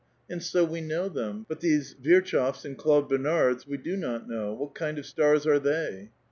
And so we know them ; but these Virchows and Claude Bernards we do not know ; what kind of stars are thev